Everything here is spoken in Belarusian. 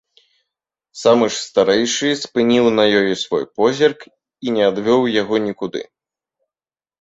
Самы ж старэйшы спыніў на ёй свой позірк і не адвёў яго нікуды.